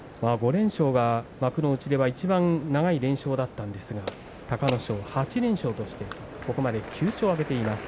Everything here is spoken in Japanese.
５連勝は幕内ではいちばん長い連勝だったんですが隆の勝、８連勝としています。